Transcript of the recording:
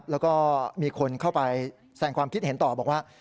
แล้วก็มีคนเข้าไปแสงความคิดเห็นต่อบอกว่า